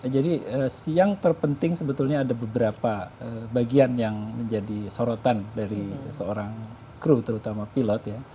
jadi yang terpenting sebetulnya ada beberapa bagian yang menjadi sorotan dari seorang kru terutama pilot